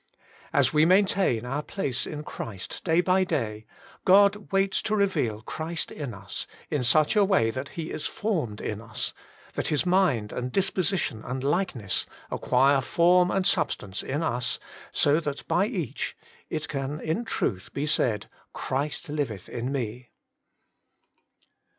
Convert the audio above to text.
As we maintain our place in Christ day by day, God waits to reveal Christ in us, in such a way that He is formed in us, that His mind and disposition and likeness acquire form and substance in us, so that by each it can in truth be said, * Christ liveth in me.